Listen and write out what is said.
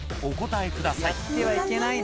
［お答えください］